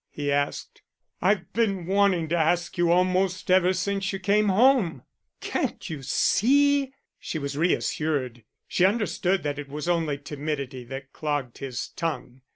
he asked. "I've been wanting to ask you almost ever since you came home." "Can't you see?" She was reassured; she understood that it was only timidity that clogged his tongue.